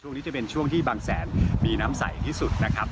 ช่วงนี้จะเป็นช่วงที่บางแสนมีน้ำใสที่สุดนะครับ